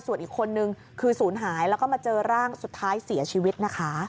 ส่วนอีกคนนึงคือศูนย์หายแล้วก็มาเจอร่างสุดท้ายเสียชีวิตนะคะ